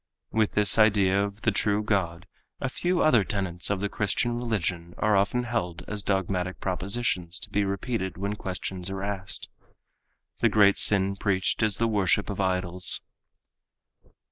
With this idea of the true God a few other tenets of the Christian religion are often held as dogmatic propositions to be repeated when questions are asked. The great sin preached is the worship of idols.